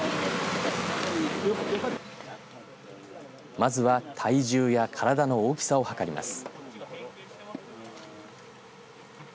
まずは、体重や体の大きさを測ります。